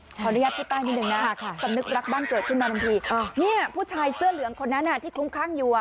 ขออนุญาตพูดใต้นิดนึงนะสำนึกรักบ้านเกิดขึ้นมาทันทีเนี่ยผู้ชายเสื้อเหลืองคนนั้นที่คลุ้มคลั่งอยู่